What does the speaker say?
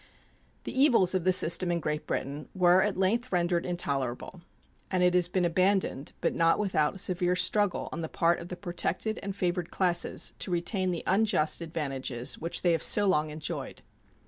The evils of the system in Great Britain were at length rendered intolerable, and it has been abandoned, but not without a severe struggle on the part of the protected and favored classes to retain the unjust advantages which they have so long enjoyed.